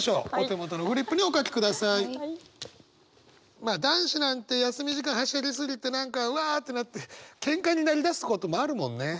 まあ男子なんて休み時間はしゃぎ過ぎて何かうわってなってケンカになりだすこともあるもんね。